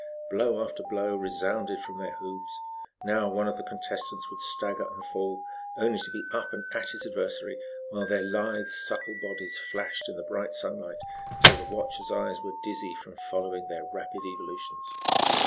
Blow after blow resounded from their hoofs. Now, one of the contestants would stagger and fall, only to be up and at his adversary, while their lithe, supple bodies flashed in the bright sunlight till the watchers' eyes were dizzy from following their rapid evolutions.